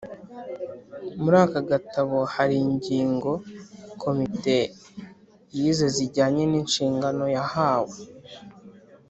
Muri aka gatabo hari ingingo Komite yize zijyanye n'inshingano yahawe